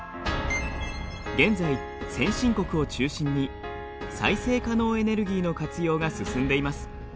現在先進国を中心に再生可能エネルギーの活用が進んでいます。